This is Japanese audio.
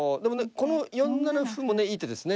この４七歩もねいい手ですね。